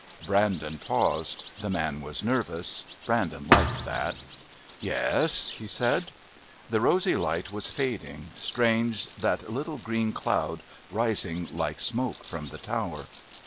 Brandon paused. The man was nervous. Brandon liked that. "Yes?" he said. The rosy light was fading. Strange that little green cloud rising like smoke from the tower....